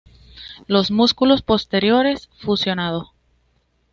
Los músculos posteriores fusionado.